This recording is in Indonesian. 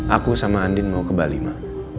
aku sama andin mau ke bali mah